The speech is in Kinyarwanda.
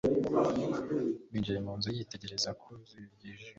Binjiye mu nzu, yitegereza ku ziko ryijimye